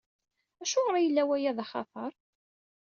Acuɣer i yella waya d axatar?